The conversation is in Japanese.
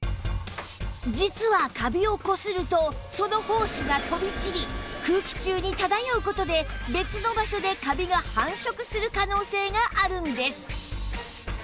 実はカビをこするとその胞子が飛び散り空気中に漂う事で別の場所でカビが繁殖する可能性があるんです